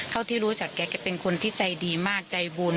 ที่รู้จักแกเป็นคนที่ใจดีมากใจบุญ